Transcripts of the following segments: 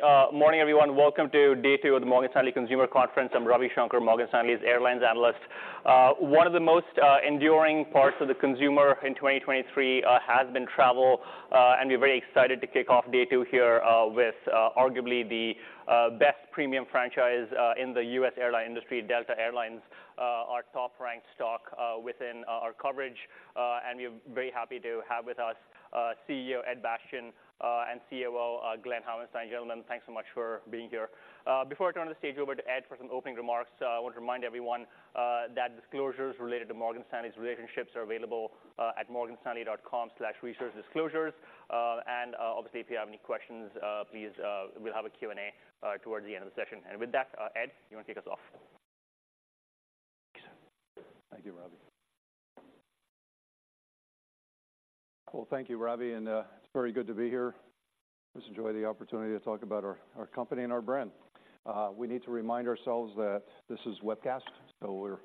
Great morning, everyone. Welcome to day two of the Morgan Stanley Consumer Conference. I'm Ravi Shanker, Morgan Stanley's airlines analyst. One of the most enduring parts of the consumer in 2023 has been travel, and we're very excited to kick off day two here with arguably the best premium franchise in the U.S. airline industry, Delta Air Lines. Our top-ranked stock within our coverage, and we're very happy to have with us CEO Ed Bastian and COO Glen Hauenstein. Gentlemen, thanks so much for being here. Before I turn the stage over to Ed for some opening remarks, I want to remind everyone that disclosures related to Morgan Stanley's relationships are available at morganstanley.com/researchdisclosures. Obviously, if you have any questions, please, we'll have a Q and A towards the end of the session. And with that, Ed, you want to kick us off? Thank you, Ravi. Well, thank you, Ravi, and it's very good to be here. Just enjoy the opportunity to talk about our company and our brand. We need to remind ourselves that this is a webcast, so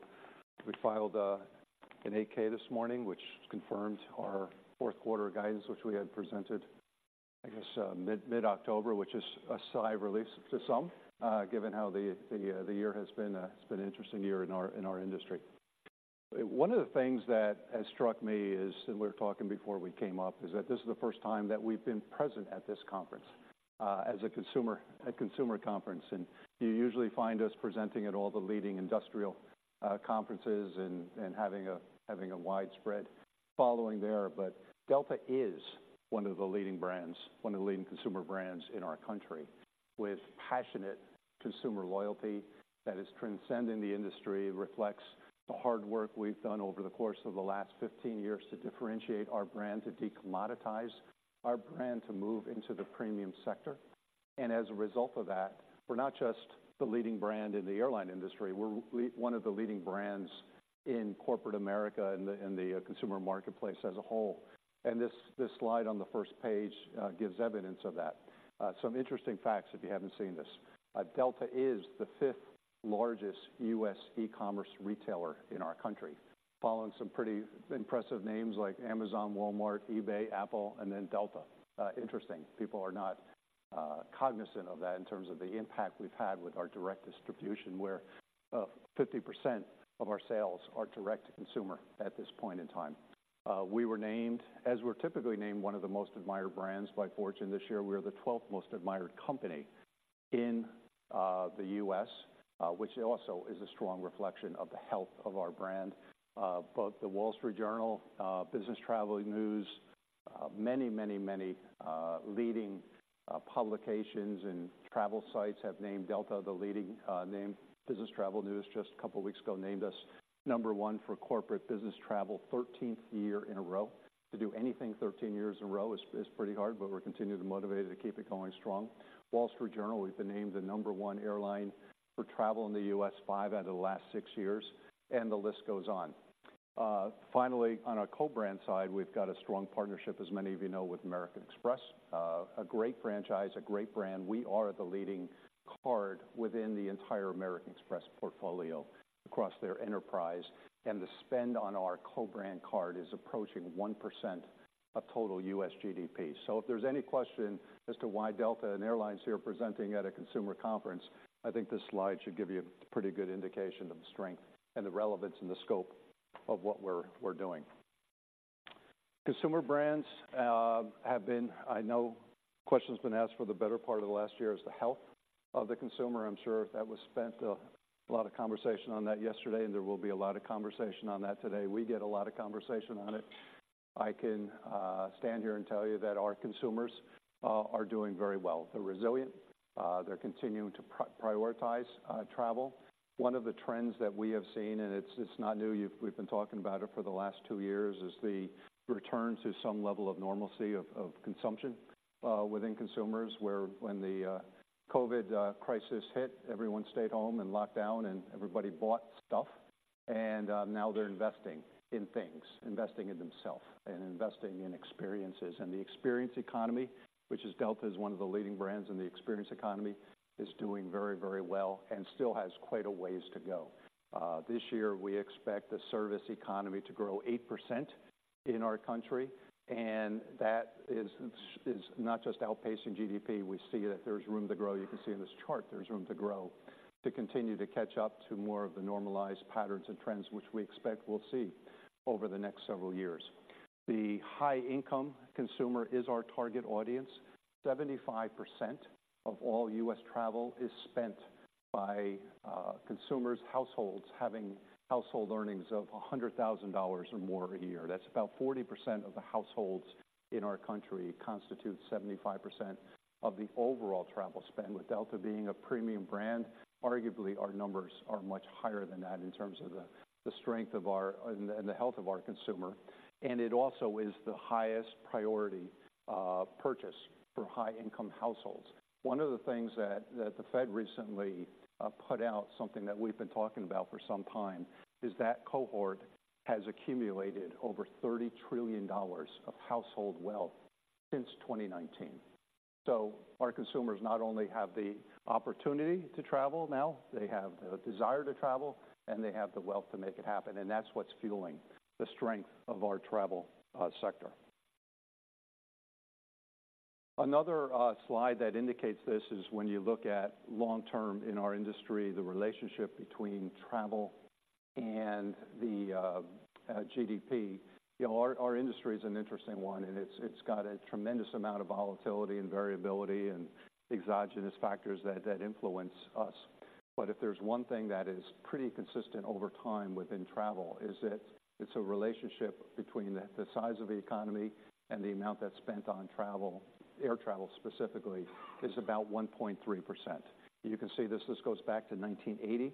we filed an 8-K this morning, which confirmed our fourth quarter guidance, which we had presented, I guess, mid-October, which is a sigh of relief to some, given how the year has been. It's been an interesting year in our industry. One of the things that has struck me is, and we were talking before we came up, is that this is the first time that we've been present at this conference, as a consumer, a consumer conference, and you usually find us presenting at all the leading industrial, conferences and, and having a, having a widespread following there. But Delta is one of the leading brands, one of the leading consumer brands in our country, with passionate consumer loyalty that is transcending the industry. It reflects the hard work we've done over the course of the last 15 years to differentiate our brand, to decommoditize our brand, to move into the premium sector. As a result of that, we're not just the leading brand in the airline industry, we're one of the leading brands in corporate America and the consumer marketplace as a whole. This slide on the first page gives evidence of that. Some interesting facts, if you haven't seen this. Delta is the fifth largest U.S. e-commerce retailer in our country, following some pretty impressive names like Amazon, Walmart, eBay, Apple, and then Delta. Interesting. People are not cognizant of that in terms of the impact we've had with our direct distribution, where 50% of our sales are direct to consumer at this point in time. We were named, as we're typically named, one of the most admired brands by Fortune. This year, we are the 12th most admired company in the U.S., which also is a strong reflection of the health of our brand. Both the Wall Street Journal, Business Travel News, many, many, many leading publications and travel sites have named Delta the leading name. Business Travel News, just a couple of weeks ago, named us number one for corporate business travel, 13th year in a row. To do anything 13 years in a row is pretty hard, but we're continuing to motivated to keep it going strong. Wall Street Journal, we've been named the number one airline for travel in the U.S., five out of the last six years, and the list goes on. Finally, on our co-brand side, we've got a strong partnership, as many of you know, with American Express. A great franchise, a great brand. We are the leading card within the entire American Express portfolio across their enterprise, and the spend on our co-brand card is approaching 1% of total U.S. GDP. So if there's any question as to why Delta and airlines here are presenting at a consumer conference, I think this slide should give you a pretty good indication of the strength and the relevance and the scope of what we're doing. Consumer brands have been. I know the question's been asked for the better part of the last year, is the health of the consumer. I'm sure there was a lot of conversation on that yesterday, and there will be a lot of conversation on that today. We get a lot of conversation on it. I can stand here and tell you that our consumers are doing very well. They're resilient. They're continuing to prioritize travel. One of the trends that we have seen, and it's not new, we've been talking about it for the last two years, is the return to some level of normalcy of consumption within consumers, where when the COVID crisis hit, everyone stayed home and locked down and everybody bought stuff, and now they're investing in things, investing in themselves and investing in experiences. And the experience economy, which is Delta, is one of the leading brands in the experience economy, is doing very, very well and still has quite a ways to go. This year, we expect the service economy to grow 8% in our country, and that is not just outpacing GDP. We see that there's room to grow. You can see in this chart, there's room to grow, to continue to catch up to more of the normalized patterns and trends which we expect we'll see over the next several years. The high-income consumer is our target audience. 75% of all U.S. travel is spent by consumers, households having household earnings of $100,000 or more a year. That's about 40% of the households in our country constitute 75% of the overall travel spend. With Delta being a premium brand, arguably, our numbers are much higher than that in terms of the strength of our consumer and the health of our consumer, and it also is the highest priority purchase for high-income households. One of the things that the Fed recently put out, something that we've been talking about for some time, is that cohort has accumulated over $30 trillion of household wealth since 2019. So our consumers not only have the opportunity to travel now, they have the desire to travel, and they have the wealth to make it happen, and that's what's fueling the strength of our travel sector. Another slide that indicates this is when you look at long-term in our industry, the relationship between travel and the GDP. You know, our industry is an interesting one, and it's got a tremendous amount of volatility and variability and exogenous factors that influence us. But if there's one thing that is pretty consistent over time within travel, is that it's a relationship between the size of the economy and the amount that's spent on travel, air travel specifically, is about 1.3%. You can see this, this goes back to 1980.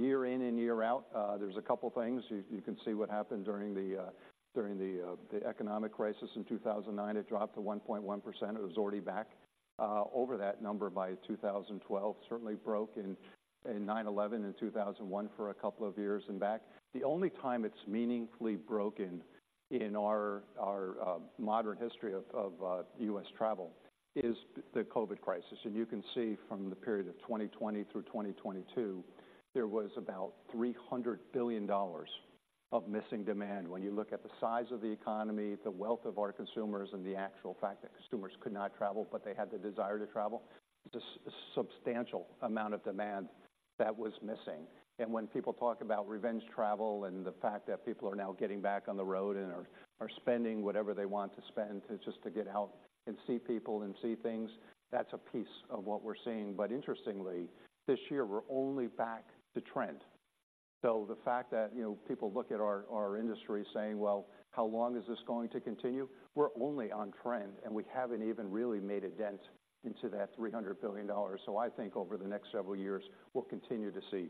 Year in and year out, there's a couple things. You can see what happened during the economic crisis in 2009, it dropped to 1.1%. It was already back over that number by 2012. Certainly broke in 9/11 in 2001 for a couple of years and back. The only time it's meaningfully broken in our modern history of U.S. travel is the COVID crisis. And you can see from the period of 2020 through 2022, there was about $300 billion of missing demand. When you look at the size of the economy, the wealth of our consumers, and the actual fact that consumers could not travel, but they had the desire to travel, it's a substantial amount of demand that was missing. And when people talk about revenge travel and the fact that people are now getting back on the road and are spending whatever they want to spend to just get out and see people and see things, that's a piece of what we're seeing. But interestingly, this year, we're only back to trend. So the fact that, you know, people look at our, our industry saying, "Well, how long is this going to continue?" We're only on trend, and we haven't even really made a dent into that $300 billion. So I think over the next several years, we'll continue to see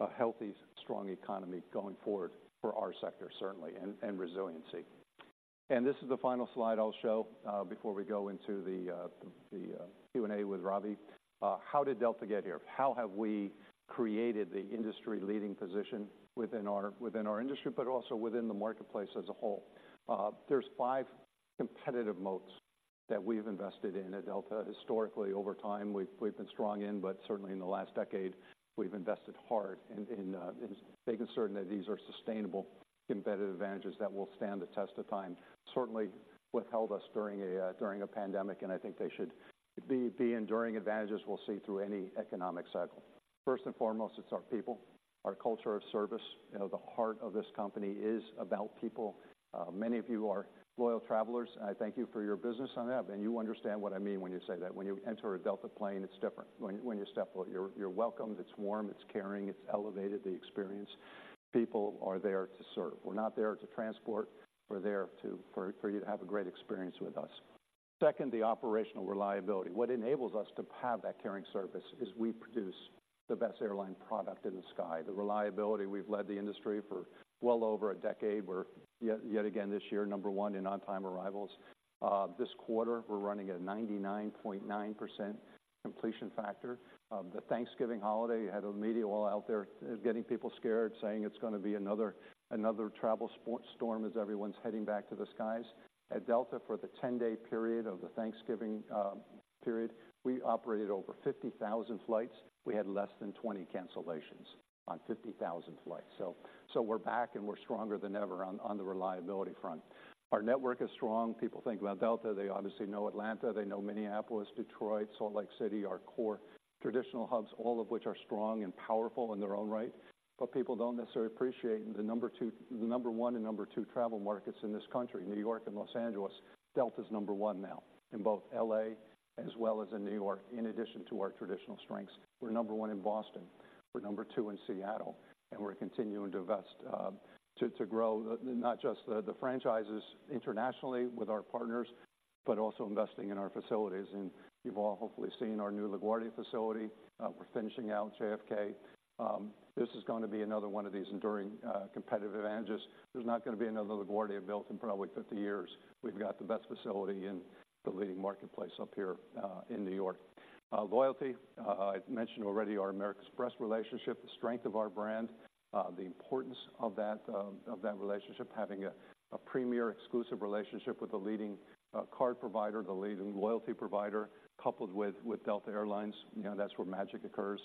a healthy, strong economy going forward for our sector, certainly, and resiliency. And this is the final slide I'll show before we go into the Q and A with Ravi. How did Delta get here? How have we created the industry-leading position within our, within our industry, but also within the marketplace as a whole? There's five competitive moats that we've invested in at Delta. Historically, over time, we've been strong in, but certainly in the last decade, we've invested hard in making certain that these are sustainable competitive advantages that will stand the test of time. Certainly, what held us during a pandemic, and I think they should be enduring advantages we'll see through any economic cycle. First and foremost, it's our people, our culture of service. You know, the heart of this company is about people. Many of you are loyal travelers, and I thank you for your business on that. Then you understand what I mean when you say that. When you enter a Delta plane, it's different. When you step out, you're welcomed, it's warm, it's caring, it's elevated, the experience. People are there to serve. We're not there to transport. We're there for you to have a great experience with us. Second, the operational reliability. What enables us to have that caring service is we produce the best airline product in the sky. The reliability, we've led the industry for well over a decade. We're yet again this year number one in on-time arrivals. This quarter, we're running at a 99.9% completion factor. The Thanksgiving holiday had the media all out there getting people scared, saying it's gonna be another travel storm as everyone's heading back to the skies. At Delta, for the 10-day period of the Thanksgiving period, we operated over 50,000 flights. We had less than 20 cancellations on 50,000 flights. So we're back and we're stronger than ever on the reliability front. Our network is strong. People think about Delta, they obviously know Atlanta, they know Minneapolis, Detroit, Salt Lake City, our core traditional hubs, all of which are strong and powerful in their own right. But people don't necessarily appreciate the number one and number two travel markets in this country, New York and Los Angeles. Delta's number one now in both L.A. as well as in New York, in addition to our traditional strengths. We're number one in Boston. We're number two in Seattle, and we're continuing to invest to grow not just the franchises internationally with our partners, but also investing in our facilities. You've all hopefully seen our new LaGuardia facility. We're finishing out JFK. This is gonna be another one of these enduring competitive advantages. There's not gonna be another LaGuardia built in probably 50 years. We've got the best facility in the leading marketplace up here, in New York. Loyalty, I'd mentioned already our American Express relationship, the strength of our brand, the importance of that, of that relationship, having a premier exclusive relationship with the leading, card provider, the leading loyalty provider, coupled with Delta Air Lines, you know, that's where magic occurs.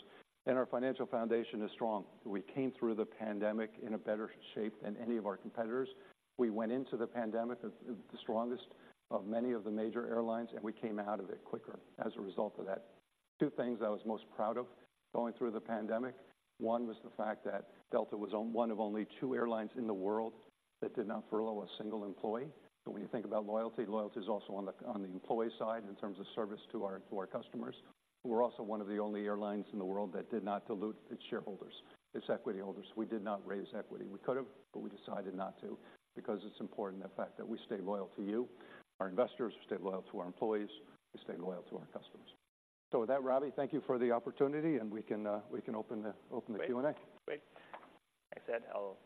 Our financial foundation is strong. We came through the pandemic in a better shape than any of our competitors. We went into the pandemic as the strongest of many of the major airlines, and we came out of it quicker as a result of that. Two things I was most proud of going through the pandemic, one was the fact that Delta was on one of only two airlines in the world that did not furlough a single employee. So when you think about loyalty, loyalty is also on the employee side in terms of service to our customers. We're also one of the only airlines in the world that did not dilute its shareholders, its equity holders. We did not raise equity. We could have, but we decided not to because it's important, the fact that we stay loyal to you, our investors, we stay loyal to our employees, we stay loyal to our customers. So with that, Ravi, thank you for the opportunity, and we can open the Q and A. Great. Great. Like I said, I'll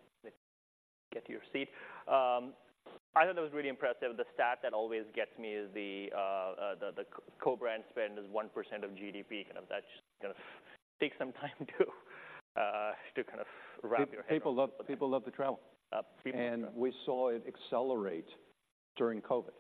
get to your seat. I thought that was really impressive. The stat that always gets me is the co-brand spend is 1% of GDP. Kind of that just kind of take some time to to kind of wrap your head. People love, people love to travel. Uh, people- We saw it accelerate during COVID.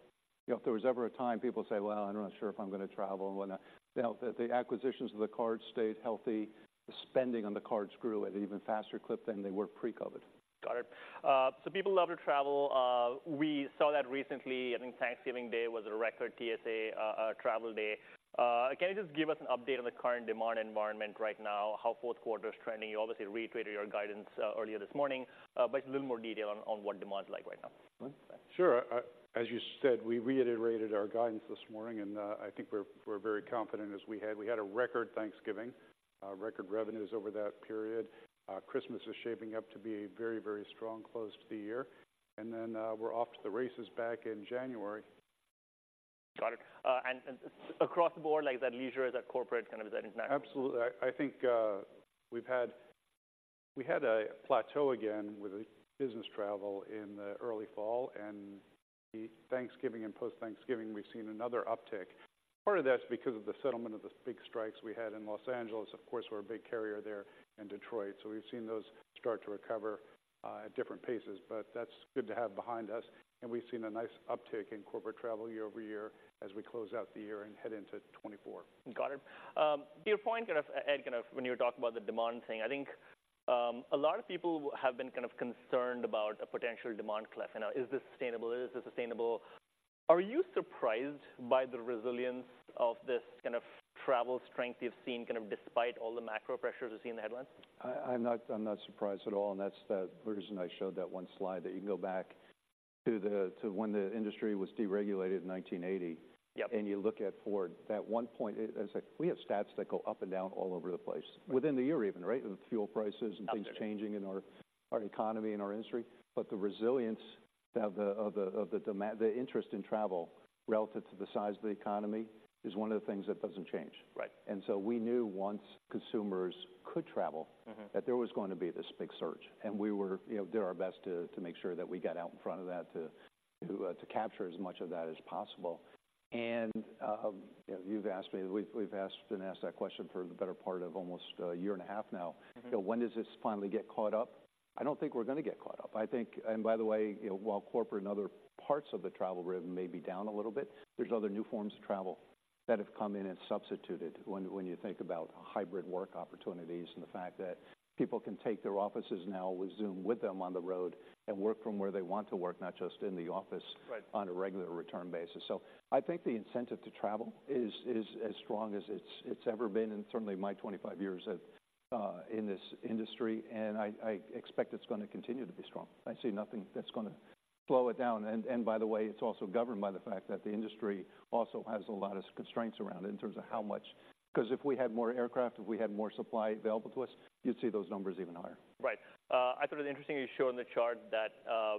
You know, if there was ever a time people say, "Well, I'm not sure if I'm gonna travel," and whatnot, you know, the acquisitions of the cards stayed healthy. The spending on the cards grew at an even faster clip than they were pre-COVID. Got it. So people love to travel, we saw that recently. I think Thanksgiving Day was a record TSA travel day. Can you just give us an update on the current demand environment right now, how fourth quarter is trending? You obviously reiterated your guidance earlier this morning, but a little more detail on what demand is like right now. Sure. As you said, we reiterated our guidance this morning, and I think we're very confident, as we had a record Thanksgiving, record revenues over that period. Christmas is shaping up to be a very, very strong close to the year, and then we're off to the races back in January. Got it. Across the board, like, is that leisure? Is that corporate? Kind of, is that international? Absolutely. I think we've had—we had a plateau again with business travel in the early fall, and the Thanksgiving and post-Thanksgiving, we've seen another uptick. Part of that's because of the settlement of the big strikes we had in Los Angeles. Of course, we're a big carrier there in Detroit, so we've seen those start to recover at different paces, but that's good to have behind us, and we've seen a nice uptick in corporate travel year over year as we close out the year and head into 2024. Got it. To your point, kind of, Ed, kind of when you were talking about the demand thing, I think, a lot of people have been kind of concerned about a potential demand cliff. You know, is this sustainable? Is this sustainable? Are you surprised by the resilience of this kind of travel strength you've seen, kind of despite all the macro pressures we've seen in the headlines? I'm not surprised at all, and that's the reason I showed that one slide, that you can go back to when the industry was deregulated in 1980. Yep. You look forward, at one point, it's like we have stats that go up and down all over the place. Within the year even, right? With fuel prices- Absolutely... and things changing in our economy and our industry. But the resilience of the demand, the interest in travel relative to the size of the economy, is one of the things that doesn't change. Right. We knew once consumers could travel- Mm-hmm... that there was going to be this big surge, and we were, you know, did our best to, to, to capture as much of that as possible. And, you know, you've asked me, we've, we've asked, been asked that question for the better part of almost a year and a half now. Mm-hmm. So when does this finally get caught up? I don't think we're gonna get caught up. I think... And by the way, you know, while corporate and other parts of the travel rhythm may be down a little bit, there's other new forms of travel that have come in and substituted when you think about hybrid work opportunities and the fact that people can take their offices now with Zoom with them on the road and work from where they want to work, not just in the office- Right... on a regular return basis. So I think the incentive to travel is as strong as it's ever been, and certainly my 25 years at in this industry, and I expect it's gonna continue to be strong. I see nothing that's gonna slow it down, and by the way, it's also governed by the fact that the industry also has a lot of constraints around it in terms of how much... Because if we had more aircraft, if we had more supply available to us, you'd see those numbers even higher. Right. I thought it was interesting you show on the chart that,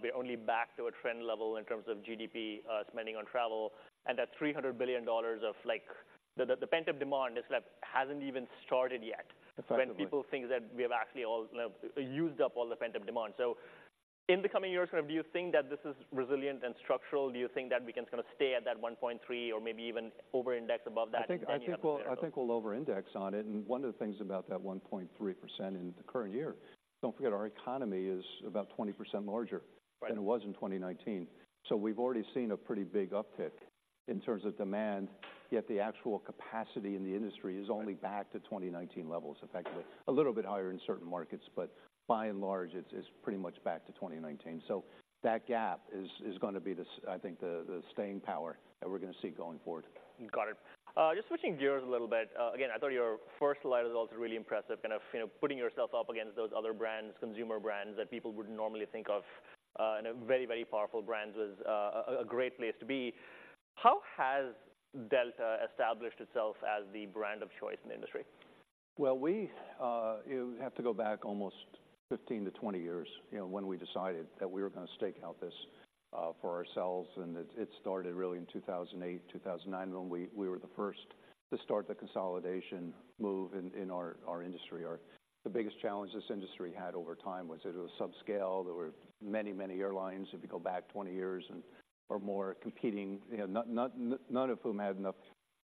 we're only back to a trend level in terms of GDP, spending on travel, and that $300 billion of, like, the pent-up demand is, like, hasn't even started yet. Exactly. When people think that we have actually all, you know, used up all the pent-up demand. So in the coming years, kind of do you think that this is resilient and structural? Do you think that we can kind of stay at that 1.3 or maybe even over-index above that? I think we'll over-index on it, and one of the things about that 1.3% in the current year, don't forget, our economy is about 20% larger- Right... than it was in 2019. So we've already seen a pretty big uptick in terms of demand, yet the actual capacity in the industry is only back to 2019 levels, effectively. A little bit higher in certain markets, but by and large, it's, it's pretty much back to 2019. So that gap is, is gonna be the, I think, the, the staying power that we're gonna see going forward. Got it. Just switching gears a little bit. Again, I thought your first slide was also really impressive, kind of, you know, putting yourself up against those other brands, consumer brands that people would normally think of, and a very, very powerful brand was a great place to be. How has Delta established itself as the brand of choice in the industry? Well, we, you have to go back almost 15-20 years, you know, when we decided that we were gonna stake out this, for ourselves, and it, it started really in 2008, 2009, when we, we were the first to start the consolidation move in, in our, our industry. Our. The biggest challenge this industry had over time was it was subscale. There were many, many airlines, if you go back 20 years and or more, competing, you know, none, none, none of whom had enough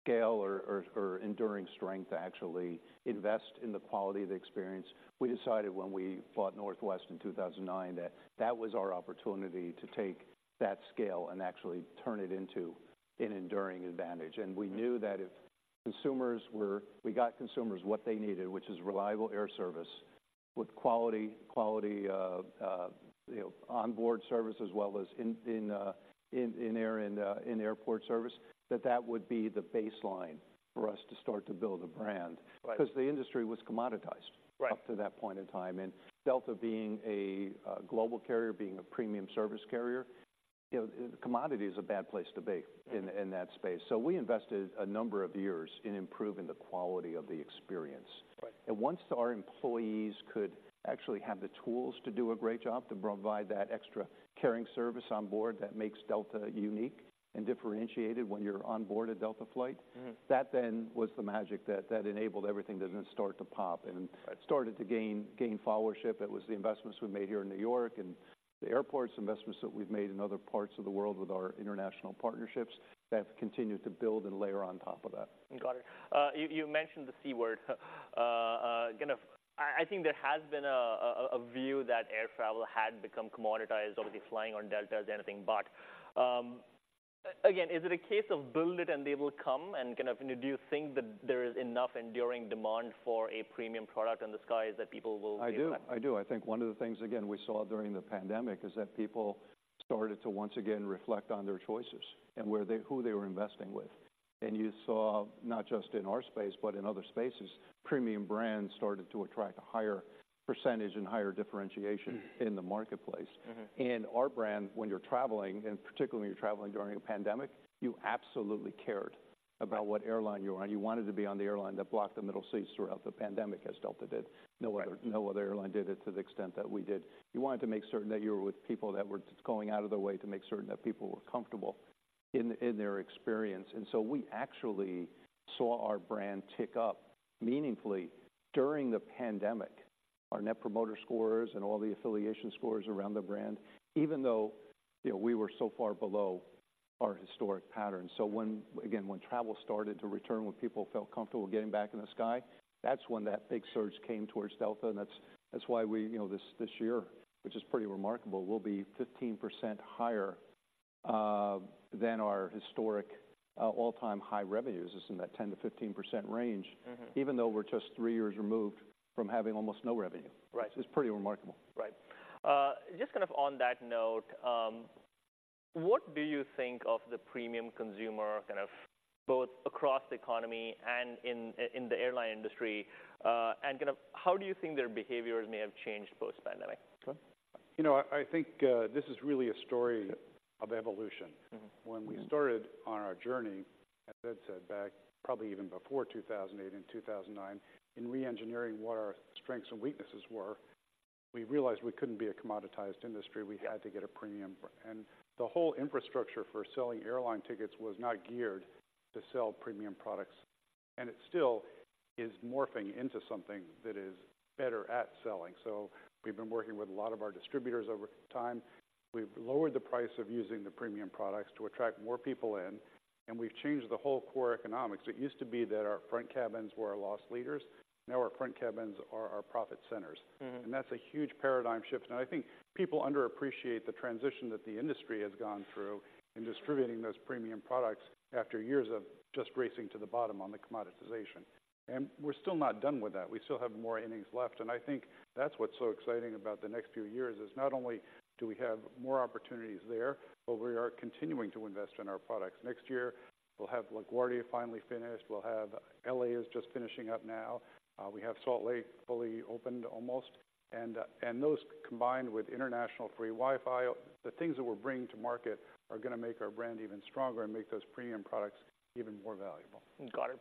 scale or, or, or enduring strength to actually invest in the quality of the experience. We decided when we bought Northwest in 2009, that that was our opportunity to take that scale and actually turn it into an enduring advantage. We knew that if we got consumers what they needed, which is reliable air service with quality, quality, you know, onboard service as well as in-air and in-airport service, that that would be the baseline for us to start to build a brand. Right. Because the industry was commoditized- Right... up to that point in time, and Delta being a global carrier, being a premium service carrier, you know, commodity is a bad place to be in, in that space. So we invested a number of years in improving the quality of the experience. Right. Once our employees could actually have the tools to do a great job, to provide that extra caring service on board, that makes Delta unique and differentiated when you're on board a Delta flight- Mm-hmm... that then was the magic that enabled everything to then start to pop and- Right... started to gain followership. It was the investments we made here in New York and the airports, investments that we've made in other parts of the world with our international partnerships that have continued to build and layer on top of that. Got it. You mentioned the C word. Kind of, I think there has been a view that air travel had become commoditized, obviously, flying on Delta is anything but. Again, is it a case of build it and they will come, and do you think that there is enough enduring demand for a premium product in the skies that people will do that? I do. I do. I think one of the things, again, we saw during the pandemic is that people started to once again reflect on their choices and where they, who they were investing with. You saw, not just in our space, but in other spaces, premium brands started to attract a higher percentage and higher differentiation in the marketplace. Mm-hmm. Our brand, when you're traveling, and particularly when you're traveling during a pandemic, you absolutely cared about what airline you were on. You wanted to be on the airline that blocked the middle seats throughout the pandemic, as Delta did. Right. No other, no other airline did it to the extent that we did. You wanted to make certain that you were with people that were going out of their way to make certain that people were comfortable in, in their experience. And so we actually saw our brand tick up meaningfully during the pandemic. Our net promoter scores and all the affiliation scores around the brand, even though, you know, we were so far below our historic pattern. So when again, when travel started to return, when people felt comfortable getting back in the sky, that's when that big surge came towards Delta, and that's, that's why we, you know, this, this year, which is pretty remarkable, we'll be 15% higher than our historic all-time high revenues. It's in that 10%-15% range. Mm-hmm. Even though we're just three years removed from having almost no revenue. Right. It's pretty remarkable. Right. Just kind of on that note, what do you think of the premium consumer, kind of both across the economy and in the airline industry? And kind of how do you think their behaviors may have changed post-pandemic? Sure. You know, I think this is really a story of evolution. Mm-hmm. When we started on our journey, as I said, back probably even before 2008 and 2009, in reengineering what our strengths and weaknesses were, we realized we couldn't be a commoditized industry. We had to get a premium. The whole infrastructure for selling airline tickets was not geared to sell premium products, and it still is morphing into something that is better at selling. We've been working with a lot of our distributors over time. We've lowered the price of using the premium products to attract more people in, and we've changed the whole core economics. It used to be that our front cabins were our loss leaders. Now, our front cabins are our profit centers. Mm-hmm. That's a huge paradigm shift. I think people underappreciate the transition that the industry has gone through in distributing those premium products after years of just racing to the bottom on the commoditization. We're still not done with that. We still have more innings left, and I think that's what's so exciting about the next few years, is not only do we have more opportunities there, but we are continuing to invest in our products. Next year, we'll have LaGuardia finally finished. We'll have... LA is just finishing up now. We have Salt Lake fully opened, almost. And those, combined with international free Wi-Fi, the things that we're bringing to market are gonna make our brand even stronger and make those premium products even more valuable. Got it.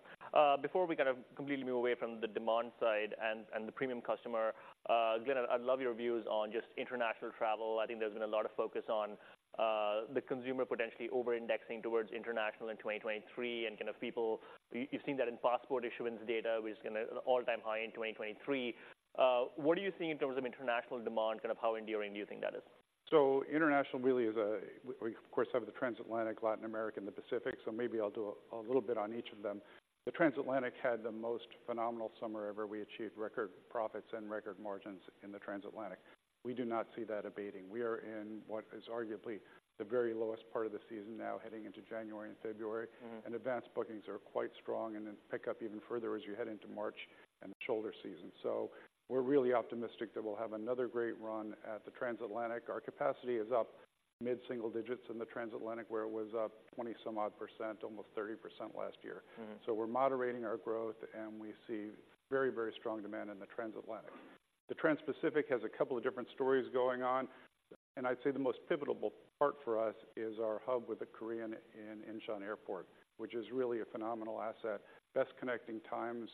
Before we kind of completely move away from the demand side and the premium customer, again, I'd love your views on just international travel. I think there's been a lot of focus on the consumer potentially over-indexing towards international in 2023, and kind of people. You've seen that in passport issuance data, which is an all-time high in 2023. What are you seeing in terms of international demand, kind of how enduring do you think that is? So international really is a. We, of course, have the transatlantic, Latin America, and the Pacific, so maybe I'll do a little bit on each of them. The transatlantic had the most phenomenal summer ever. We achieved record profits and record margins in the transatlantic. We do not see that abating. We are in what is arguably the very lowest part of the season now, heading into January and February. Mm-hmm. Advanced bookings are quite strong and then pick up even further as you head into March and shoulder season. We're really optimistic that we'll have another great run at the Transatlantic. Our capacity is up mid-single digits in the Transatlantic, where it was up 20-some-odd%, almost 30% last year. Mm-hmm. We're moderating our growth, and we see very, very strong demand in the Transatlantic. The Transpacific has a couple of different stories going on, and I'd say the most pivotal part for us is our hub with the Korean in Incheon Airport, which is really a phenomenal asset. Best connecting times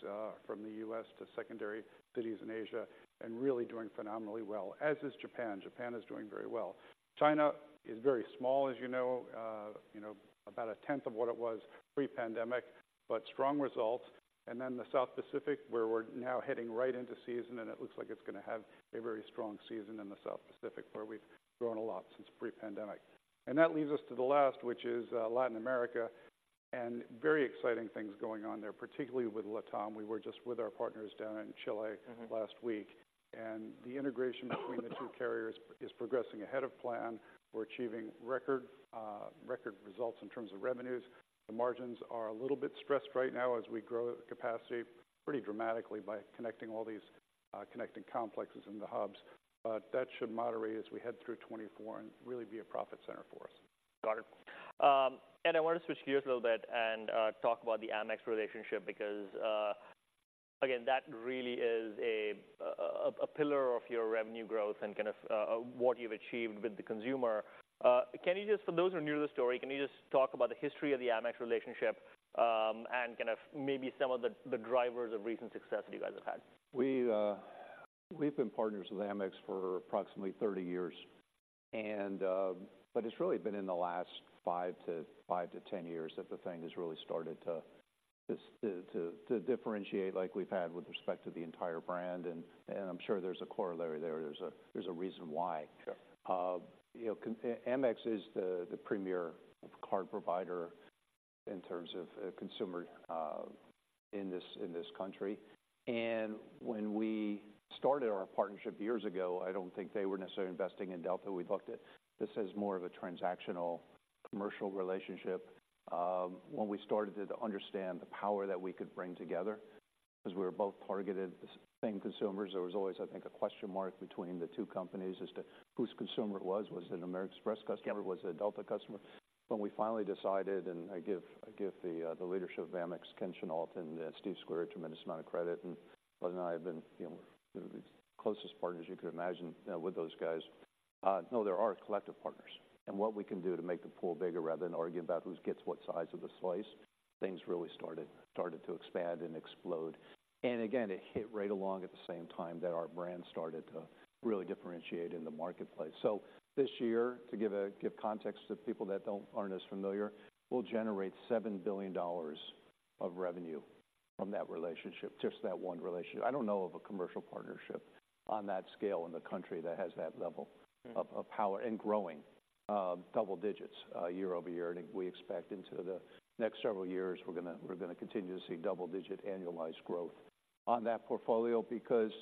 from the U.S. to secondary cities in Asia and really doing phenomenally well, as is Japan. Japan is doing very well. China is very small, as you know, you know, about a tenth of what it was pre-pandemic, but strong results. And then the South Pacific, where we're now heading right into season, and it looks like it's gonna have a very strong season in the South Pacific, where we've grown a lot since pre-pandemic. That leaves us to the last, which is Latin America, and very exciting things going on there, particularly with LATAM. We were just with our partners down in Chile. Mm-hmm... last week, and the integration between the two carriers is progressing ahead of plan. We're achieving record record results in terms of revenues. The margins are a little bit stressed right now as we grow capacity pretty dramatically by connecting all these connecting complexes in the hubs. But that should moderate as we head through 2024 and really be a profit center for us. Got it. Ed, I want to switch gears a little bit and talk about the Amex relationship, because again, that really is a pillar of your revenue growth and kind of what you've achieved with the consumer. Can you just, for those who are new to the story, can you just talk about the history of the Amex relationship, and kind of maybe some of the drivers of recent success that you guys have had? We've been partners with Amex for approximately 30 years, and but it's really been in the last 5 to 10 years that the thing has really started to differentiate like we've had with respect to the entire brand, and I'm sure there's a corollary there. There's a reason why. Sure. You know, Amex is the, the premier card provider-.. in terms of, consumer, in this country. When we started our partnership years ago, I don't think they were necessarily investing in Delta. We looked at this as more of a transactional commercial relationship. When we started to understand the power that we could bring together, because we were both targeted the same consumers, there was always, I think, a question mark between the two companies as to whose consumer it was. Was it an American Express customer? Yeah. Was it a Delta customer? When we finally decided, and I give the leadership of Amex, Ken Chenault and Steve Squeri, a tremendous amount of credit, and Glen and I have been, you know, the closest partners you could imagine with those guys. No, there are collective partners, and what we can do to make the pool bigger rather than argue about who gets what size of the slice, things really started to expand and explode. And again, it hit right along at the same time that our brand started to really differentiate in the marketplace. So this year, to give context to people that aren't as familiar, we'll generate $7 billion of revenue from that relationship, just that one relationship. I don't know of a commercial partnership on that scale in the country that has that level- Mm-hmm. of power and growing double digits year-over-year. We expect into the next several years, we're gonna, we're gonna continue to see double-digit annualized growth on that portfolio. Because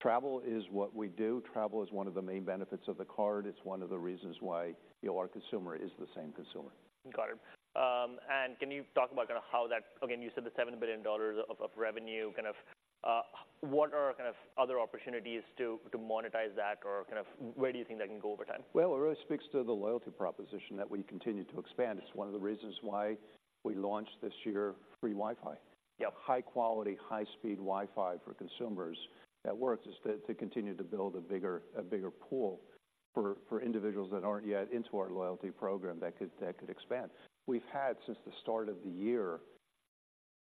travel is what we do. Travel is one of the main benefits of the card. It's one of the reasons why, you know, our consumer is the same consumer. Got it. And can you talk about kind of how that... Again, you said the $7 billion of revenue, kind of, what are kind of other opportunities to monetize that? Or kind of where do you think that can go over time? Well, it really speaks to the loyalty proposition that we continue to expand. It's one of the reasons why we launched this year free Wi-Fi. Yep. High quality, high-speed Wi-Fi for consumers that works is to continue to build a bigger pool for individuals that aren't yet into our loyalty program that could expand. We've had since the start of the year,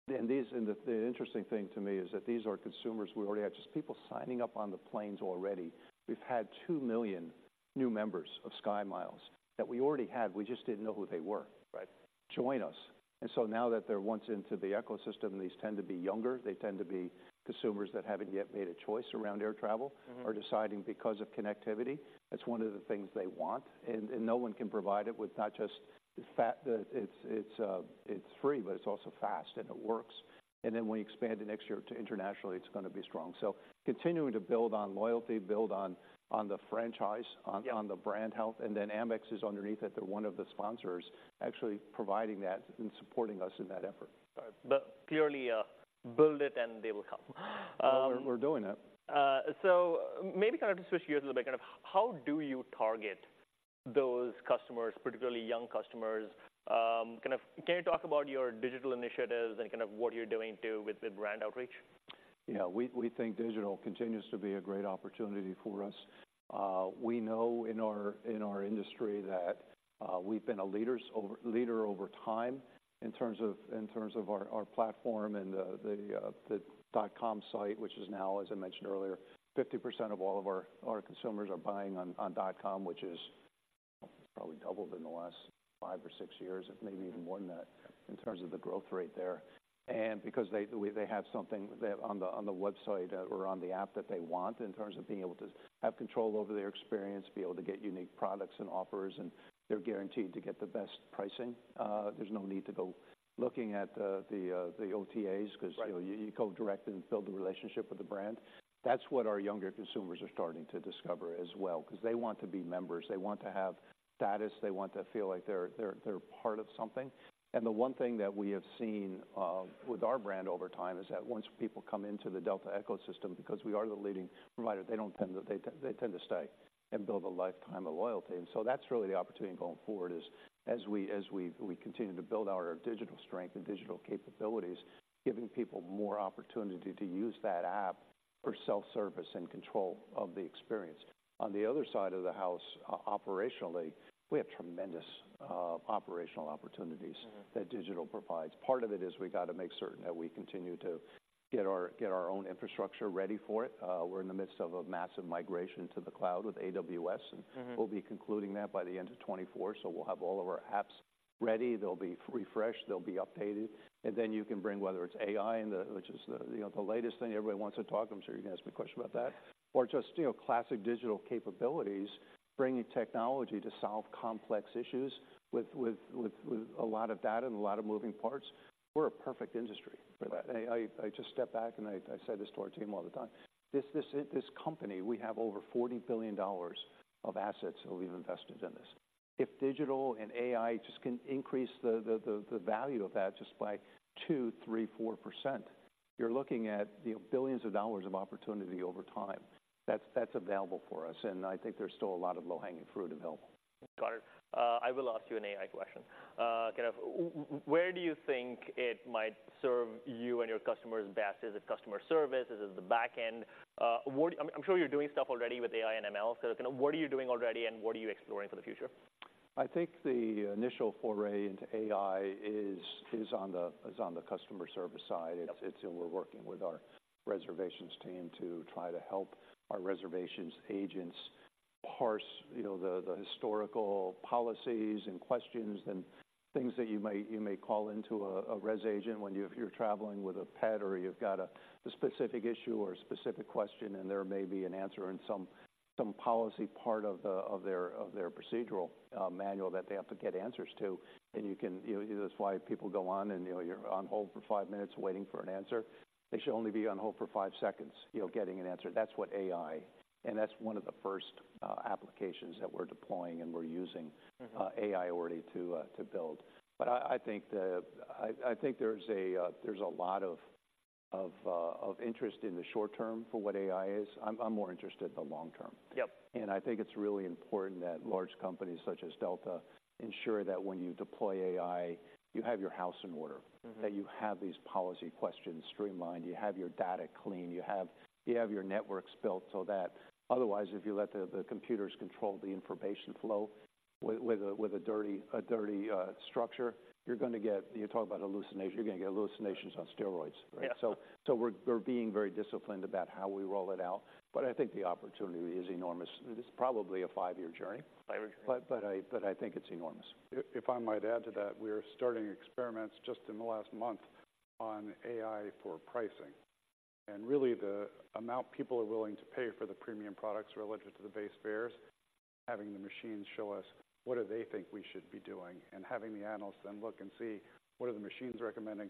and the interesting thing to me is that these are consumers we already have, just people signing up on the planes already. We've had 2 million new members of SkyMiles that we already had. We just didn't know who they were- Right. Join us. And so now that they're once into the ecosystem, and these tend to be younger, they tend to be consumers that haven't yet made a choice around air travel- Mm-hmm. —are deciding because of connectivity. That's one of the things they want, and no one can provide it with not just the fact that it's free, but it's also fast, and it works. And then when we expand it next year to internationally, it's gonna be strong. So continuing to build on loyalty, build on the franchise, on— Yeah... on the brand health, and then Amex is underneath it. They're one of the sponsors actually providing that and supporting us in that effort. All right. But clearly, build it, and they will come. Well, we're doing it. So maybe kind of to switch gears a little bit, kind of how do you target those customers, particularly young customers? Kind of, can you talk about your digital initiatives and kind of what you're doing, too, with the brand outreach? Yeah, we think digital continues to be a great opportunity for us. We know in our industry that we've been a leader over time in terms of our platform and the dot-com site, which is now, as I mentioned earlier, 50% of all of our consumers are buying on dot-com, which is probably doubled in the last five or six years, maybe even more than that, in terms of the growth rate there. And because they have something that on the website or on the app that they want, in terms of being able to have control over their experience, be able to get unique products and offers, and they're guaranteed to get the best pricing. There's no need to go looking at the OTAs because- Right... you go direct and build the relationship with the brand. That's what our younger consumers are starting to discover as well, because they want to be members. They want to have status. They want to feel like they're part of something. And the one thing that we have seen with our brand over time is that once people come into the Delta ecosystem, because we are the leading provider, they tend to stay and build a lifetime of loyalty. And so that's really the opportunity going forward, as we continue to build out our digital strength and digital capabilities, giving people more opportunity to use that app for self-service and control of the experience. On the other side of the house, operationally, we have tremendous operational opportunities- Mm-hmm... that digital provides. Part of it is we got to make certain that we continue to get our, get our own infrastructure ready for it. We're in the midst of a massive migration to the cloud with AWS, and- Mm-hmm... we'll be concluding that by the end of 2024, so we'll have all of our apps ready. They'll be refreshed, they'll be updated, and then you can bring, whether it's AI, and the—which is the, you know, the latest thing. Everybody wants to talk. I'm sure you're gonna ask me a question about that. Or just, you know, classic digital capabilities, bringing technology to solve complex issues with, with, with, with a lot of data and a lot of moving parts. We're a perfect industry for that. I, I, I just step back, and I, I say this to our team all the time: This, this, this company, we have over $40 billion of assets that we've invested in this. If digital and AI just can increase the value of that just by 2%, 3% 4%, you're looking at, you know, billions of dollars opportunity over time. That's available for us, and I think there's still a lot of low-hanging fruit available. Got it. I will ask you an AI question. Kind of where do you think it might serve you and your customers best? Is it customer service? Is it the back end? I'm sure you're doing stuff already with AI and ML, so kind of what are you doing already, and what are you exploring for the future? I think the initial foray into AI is on the customer service side. Yep. And we're working with our reservations team to try to help our reservations agents parse, you know, the historical policies and questions and things that you might call into a res agent when you, if you're traveling with a pet or you've got a specific issue or a specific question, and there may be an answer in some policy part of their procedural manual that they have to get answers to. And you can, you know, that's why people go on and, you know, you're on hold for five minutes waiting for an answer. They should only be on hold for five seconds, you know, getting an answer. That's what AI, and that's one of the first applications that we're deploying, and we're using- Mm-hmm... AI already to build. But I think there's a lot of interest in the short term for what AI is. I'm more interested in the long term. Yep. I think it's really important that large companies such as Delta ensure that when you deploy AI, you have your house in order. Mm-hmm. That you have these policy questions streamlined, you have your data clean, you have your networks built so that... Otherwise, if you let the computers control the information flow with a dirty structure, you're gonna get-- You talk about hallucinations, you're gonna get hallucinations on steroids, right? Yeah. So, we're being very disciplined about how we roll it out, but I think the opportunity is enormous. It is probably a five-year journey. Five-year journey. But I think it's enormous. If I might add to that, we are starting experiments just in the last month on AI for pricing. Really, the amount people are willing to pay for the premium products relative to the base fares, having the machines show us what do they think we should be doing, and having the analysts then look and see what are the machines recommending.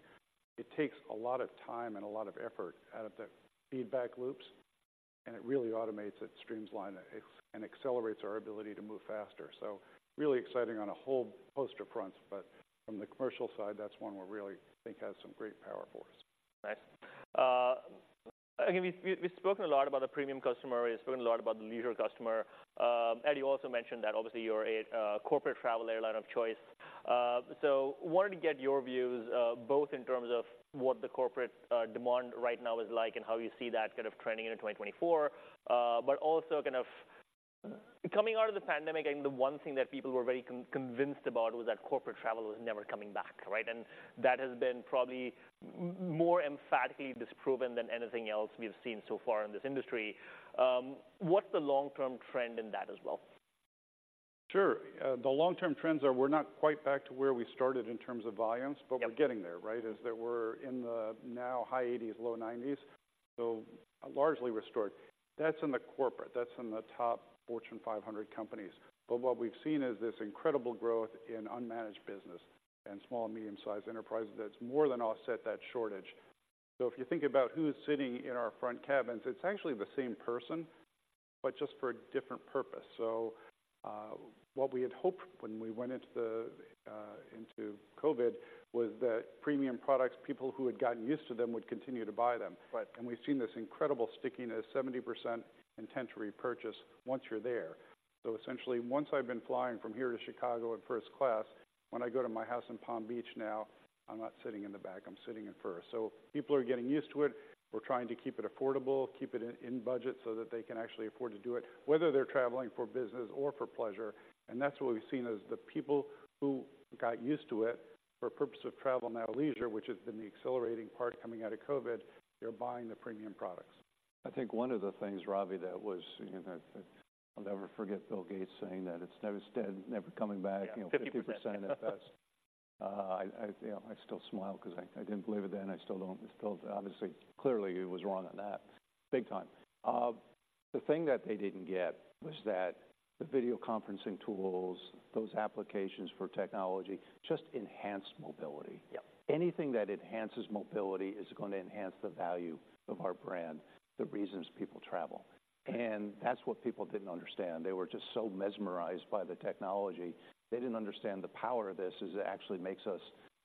It takes a lot of time and a lot of effort out of the feedback loops, and it really automates it, streamlines it, and accelerates our ability to move faster. So really exciting on a whole host of fronts, but from the commercial side, that's one we really think has some great power for us. Nice. Again, we've spoken a lot about the premium customer. We've spoken a lot about the leisure customer. Ed, you also mentioned that obviously you're a corporate travel airline of choice. So wanted to get your views, both in terms of what the corporate demand right now is like and how you see that kind of trending into 2024. But also kind of coming out of the pandemic, I think the one thing that people were very convinced about was that corporate travel was never coming back, right? And that has been probably more emphatically disproven than anything else we've seen so far in this industry. What's the long-term trend in that as well? Sure. The long-term trends are we're not quite back to where we started in terms of volumes- Yep... but we're getting there, right? It's that we're now in the high 80s, low 90s, so largely restored. That's in the corporate, that's in the top Fortune 500 companies. But what we've seen is this incredible growth in unmanaged business and small and medium-sized enterprises that's more than offset that shortage. So if you think about who's sitting in our front cabins, it's actually the same person, but just for a different purpose. So, what we had hoped when we went into the, into COVID, was that premium products, people who had gotten used to them, would continue to buy them. Right. We've seen this incredible stickiness, 70% intent to repurchase once you're there. So essentially, once I've been flying from here to Chicago in first class, when I go to my house in Palm Beach now, I'm not sitting in the back, I'm sitting in first. So people are getting used to it. We're trying to keep it affordable, keep it in, in budget, so that they can actually afford to do it, whether they're traveling for business or for pleasure. And that's what we've seen, is the people who got used to it, for purpose of travel, now leisure, which has been the accelerating part coming out of COVID, they're buying the premium products. I think one of the things, Ravi, that was, you know, I'll never forget Bill Gates saying that it's never dead, never coming back- Yeah.... you know, 50% at best. You know, I still smile 'cause I didn't believe it then, I still don't. It's still, obviously, clearly he was wrong on that, big time. The thing that they didn't get was that the video conferencing tools, those applications for technology, just enhance mobility. Yep. Anything that enhances mobility is going to enhance the value of our brand, the reasons people travel. That's what people didn't understand. They were just so mesmerized by the technology, they didn't understand the power of this, is it actually makes us,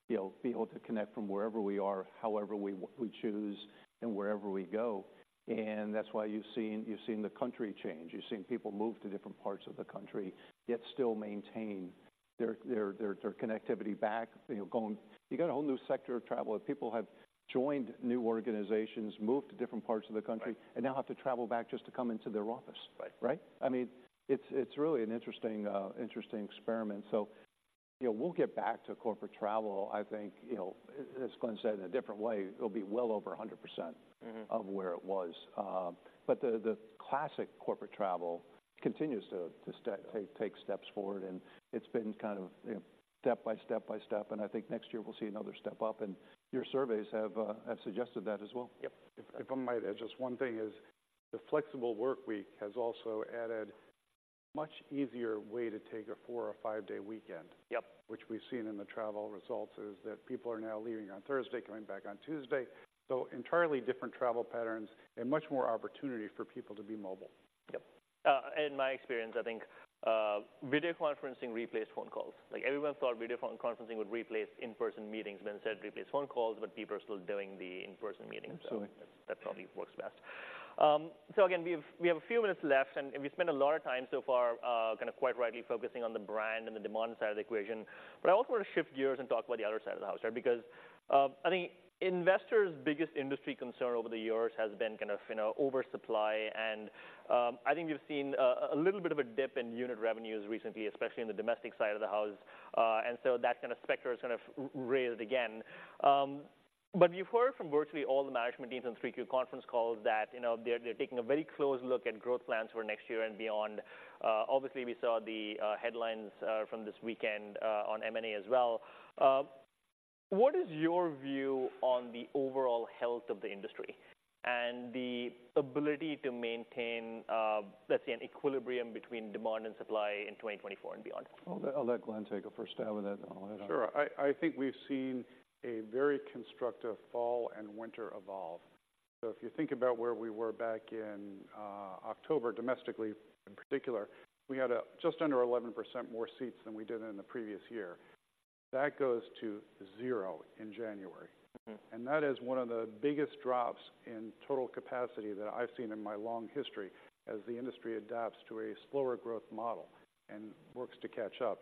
you know, be able to connect from wherever we are, however we, we choose, and wherever we go. That's why you've seen, you've seen the country change. You've seen people move to different parrts of the country, yet still maintain their, their, their, their connectivity back. You know, going... You got a whole new sector of travel, of people have joined new organizations, moved to different parts of the country- Right... and now have to travel back just to come into their office. Right. Right? I mean, it's really an interesting experiment. So, you know, we'll get back to corporate travel. I think, you know, as Glen said in a different way, it'll be well over 100%- Mm-hmm ... of where it was. But the classic corporate travel continues to take steps forward, and it's been kind of, you know, step by step by step, and I think next year we'll see another step up, and your surveys have suggested that as well. Yep. If I might add just one thing, is the flexible work week has also added much easier way to take a four- or five-day weekend. Yep. Which we've seen in the travel results, is that people are now leaving on Thursday, coming back on Tuesday. So entirely different travel patterns and much more opportunity for people to be mobile. Yep. In my experience, I think, video conferencing replaced phone calls. Like, everyone thought video phone conferencing would replace in-person meetings, then instead it replaced phone calls, but people are still doing the in-person meetings. Absolutely. That probably works best. So again, we have a few minutes left, and we've spent a lot of time so far, kind of quite rightly focusing on the brand and the demand side of the equation. But I also want to shift gears and talk about the other side of the house, right? Because, I think investors' biggest industry concern over the years has been kind of, you know, oversupply. And, I think we've seen a little bit of a dip in unit revenues recently, especially in the domestic side of the house. And so that kind of specter is kind of raised again. But you've heard from virtually all the management teams on 3Q conference calls that, you know, they're taking a very close look at growth plans for next year and beyond. Obviously, we saw the headlines from this weekend on M&A as well. What is your view on the overall health of the industry and the ability to maintain, let's say, an equilibrium between demand and supply in 2024 and beyond? I'll let Glen take a first stab at that, and I'll add on. Sure. I think we've seen a very constructive fall and winter evolve. So if you think about where we were back in October, domestically, in particular, we had just under 11% more seats than we did in the previous year. That goes to zero in January. Mm-hmm. That is one of the biggest drops in total capacity that I've seen in my long history as the industry adapts to a slower growth model and works to catch up.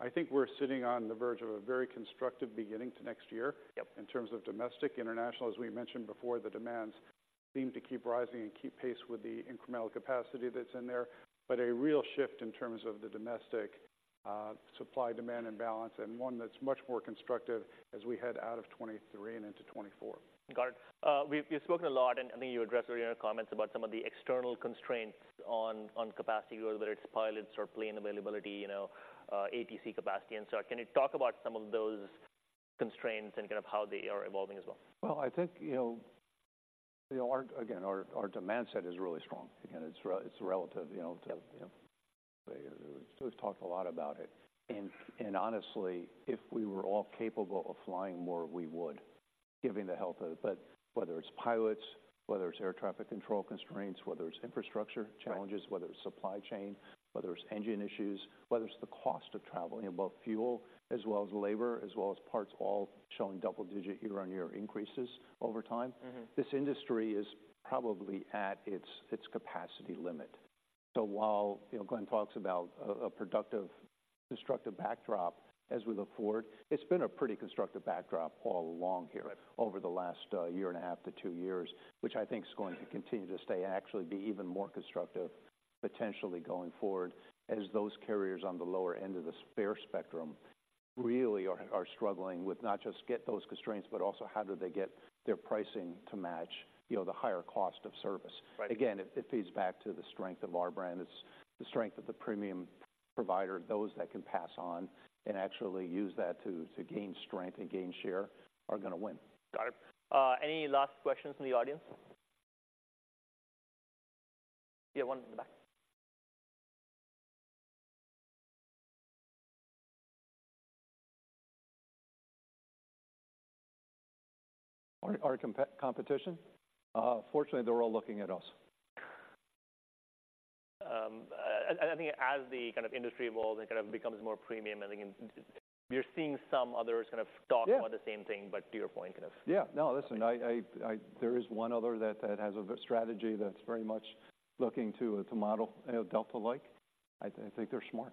I think we're sitting on the verge of a very constructive beginning to next year- Yep In terms of domestic. International, as we mentioned before, the demands seem to keep rising and keep pace with the incremental capacity that's in there. But a real shift in terms of the domestic supply-demand imbalance, and one that's much more constructive as we head out of 2023 and into 2024. Got it. We've spoken a lot, and I think you addressed earlier in your comments about some of the external constraints on capacity, whether it's pilots or plane availability, you know, ATC capacity. And so can you talk about some of those constraints and kind of how they are evolving as well? Well, I think, you know, our—again, our demand set is really strong. Again, it's—it's relative, you know, to Scott's talked a lot about it. And honestly, if we were all capable of flying more, we would, given the health of it. But whether it's pilots, whether it's air traffic control constraints, whether it's infrastructure challenges- Right... whether it's supply chain, whether it's engine issues, whether it's the cost of traveling, and both fuel as well as labor, as well as parts, all showing double-digit year-over-year increases over time. Mm-hmm. This industry is probably at its capacity limit. So while, you know, Glen talks about a productive, constructive backdrop as we look forward, it's been a pretty constructive backdrop all along here. Right Over the last year and a half to two years, which I think is going to continue to stay and actually be even more constructive, potentially going forward, as those carriers on the lower end of the fare spectrum really are struggling with not just those constraints, but also how do they get their pricing to match, you know, the higher cost of service. Right. Again, it feeds back to the strength of our brand. It's the strength of the premium provider, those that can pass on and actually use that to gain strength and gain share, are gonna win. Got it. Any last questions from the audience? Yeah, one in the back. Our competition? Fortunately, they're all looking at us. I think as the kind of industry evolves and kind of becomes more premium, I think you're seeing some others kind of talk- Yeah about the same thing, but to your point, kind of. Yeah. No, listen, I—there is one other that has a strategy that's very much looking to model, you know, Delta-like. I think they're smart.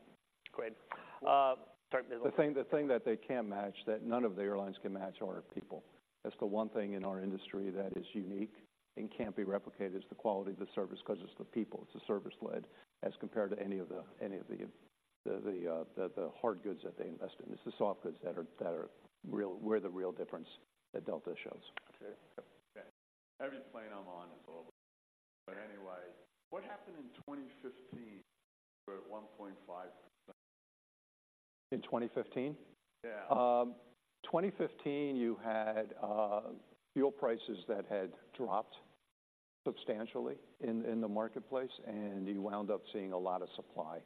Great. The thing, the thing that they can't match, that none of the airlines can match, are our people. That's the one thing in our industry that is unique and can't be replicated, is the quality of the service, 'cause it's the people, it's the service lead, as compared to any of the, any of the, the, the hard goods that they invest in. It's the soft goods that are, that are real- we're the real difference that Delta shows. Okay. Yep. Every plane I'm on is older. But anyway, what happened in 2015 to 1.5? In 2015? Yeah. 2015, you had fuel prices that had dropped substantially in the marketplace, and you wound up seeing a lot of supply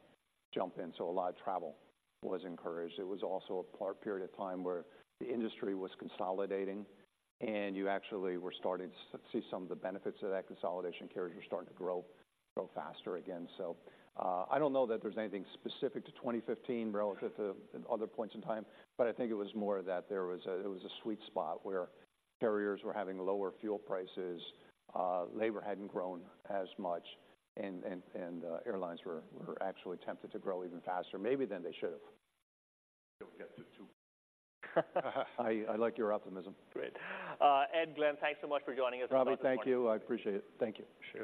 jump in, so a lot of travel was encouraged. It was also a period of time where the industry was consolidating, and you actually were starting to see some of the benefits of that consolidation. Carriers were starting to grow, grow faster again. So, I don't know that there's anything specific to 2015 relative to other points in time, but I think it was more that there was a it was a sweet spot where carriers were having lower fuel prices, labor hadn't grown as much, and airlines were, were actually tempted to grow even faster, maybe than they should have. They'll get to two. I like your optimism. Great. Ed, Glen, thanks so much for joining us. Robert, thank you. I appreciate it. Thank you. Sure.